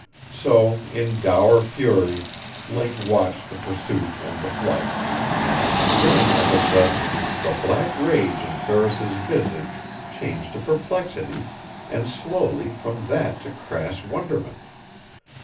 So, in dour fury, Link watched the pursuit and the flight. Then, of a sudden, the black rage in Ferris's visage changed to perplexity, and slowly from that to crass wonderment.